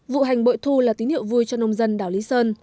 vụ hành bội thu là tín hiệu vui cho nông dân đảo lý sơn